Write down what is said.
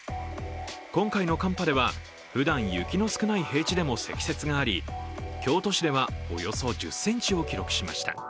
今回の寒波では、普段雪の少ない平地でも積雪があり、京都市ではおよそ１０ｃｍを記録しました。